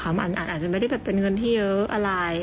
มันอาจจะไม่ได้แบบเป็นเงินที่เยอะอะไร